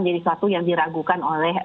jadi sesuatu yang diragukan oleh